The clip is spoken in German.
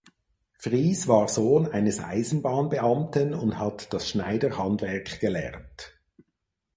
Fries war Sohn eines Eisenbahnbeamten und hat das Schneiderhandwerk gelernt.